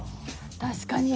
確かに。